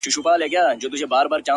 نور خپلي ويني ته شعرونه ليكو!